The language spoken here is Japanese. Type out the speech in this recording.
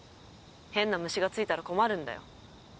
変な虫がついたら困るんだよ。